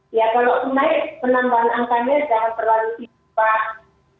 ya kalau naik penambahan angkanya jangan terlalu sibuk pak